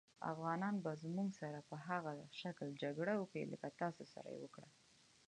افغانان به زموږ سره په هغه شکل جګړه وکړي لکه ستاسې سره یې وکړه.